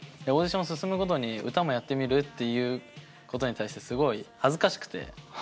オーディション進むごとに歌もやってみるっていうことに対してすごい恥ずかしくて。